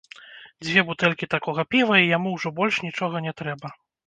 Дзве бутэлькі такога піва і яму ўжо больш нічога не трэба.